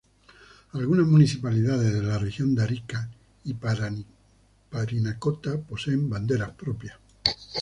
Algunas municipalidades de la Región de Arica y Parinacota poseen banderas propias.